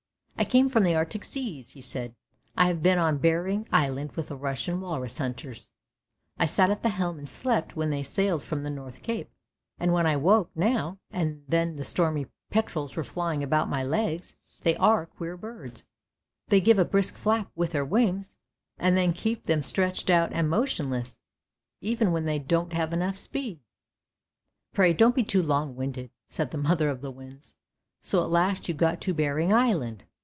" I come from the Arctic seas," he said. " I have been on Behring Island with the Russian walrus hunters. I sat at the helm and slept when. they sailed from the north cape, and when I woke now and then the stormy petrels were flying about my legs; they are queer birds; they give a brisk flap with their wings and then keep them stretched out and motionless, and even then they have speed enough." " Pray don't be too long winded," said the mother of the winds. " So at last you got to Behring Island!